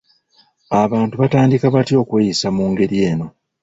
Abantu batandika batya okweyisa mu ngeri eno?